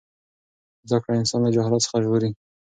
زده کړه انسان له جهالت څخه ژغوري.